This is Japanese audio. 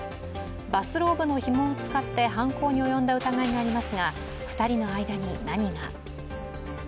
バスローブのひもを使って犯行に及んだ疑いがありますが２人の間に何が？